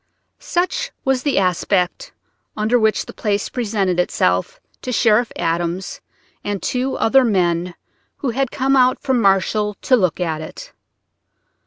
Such was the aspect under which the place presented itself to Sheriff Adams and two other men who had come out from Marshall to look at it.